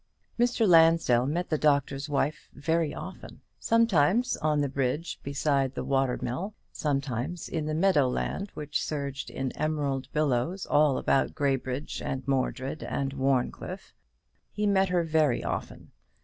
Mr. Lansdell met the Doctor's Wife very often: sometimes on the bridge beside the water mill; sometimes in the meadow land which surged in emerald billows all about Graybridge and Mordred and Warncliffe. He met her very often.